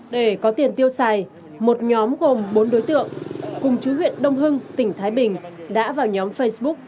để có tiền tiêu xài một nhóm gồm bốn đối tượng cùng chú huyện đông hưng tỉnh thái bình đã vào nhóm facebook